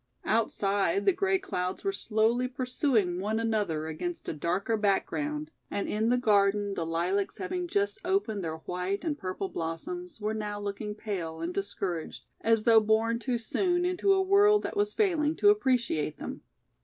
Outside the gray clouds were slowly pursuing one another against a darker background and in the garden the lilacs having just opened their white and purple blossoms were now looking pale and discouraged as though born too soon into a world that was failing to appreciate them.